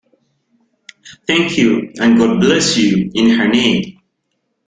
Thank you, and God bless you, in her name!